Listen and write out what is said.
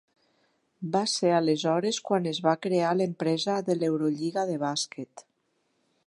Va ser aleshores quan es va crear l'empresa de l'Eurolliga de bàsquet.